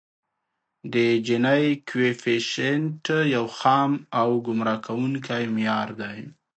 د جیني کویفیشینټ یو خام او ګمراه کوونکی معیار دی